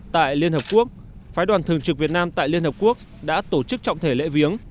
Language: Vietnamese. tại liên hợp quốc phái đoàn thường trực việt nam tại liên hợp quốc đã tổ chức trọng thể lễ viếng